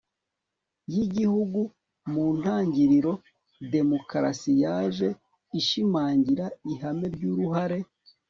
y'igihugu. mu ntangiriro demukarasi yaje ishimangira ihame ry'uruhare